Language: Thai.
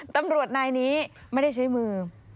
ตำรวจนายนี้ไม่ได้ใช้มือ